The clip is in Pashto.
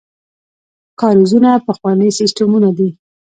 کاریزونه پخواني سیستمونه دي.